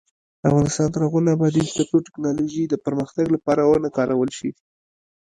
افغانستان تر هغو نه ابادیږي، ترڅو ټیکنالوژي د پرمختګ لپاره ونه کارول شي.